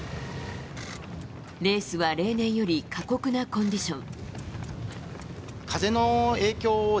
レースは例年より過酷なコンディション。